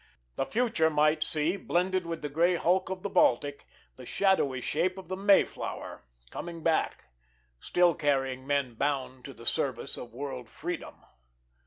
The future might see, blended with the gray hulk of the Baltic, the shadowy shape of the Mayflower coming back, still carrying men bound to the service of world freedom.